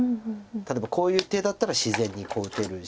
例えばこういう手だったら自然にこう打てるし。